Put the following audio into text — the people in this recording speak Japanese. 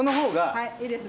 はいいいですね。